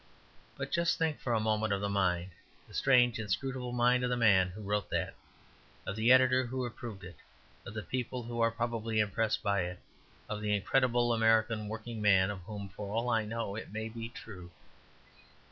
But just think for a moment of the mind, the strange inscrutable mind, of the man who wrote that, of the editor who approved it, of the people who are probably impressed by it, of the incredible American working man, of whom, for all I know, it may be true.